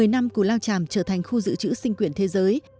một mươi năm của lao tràm trở thành khu giữ chữ sinh quyền thế giới